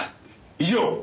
以上！